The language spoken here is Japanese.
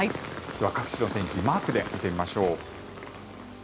各地の天気マークで見てみましょう。